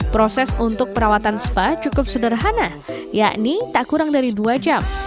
proses untuk perawatan spa cukup sederhana yakni tak kurang dari dua jam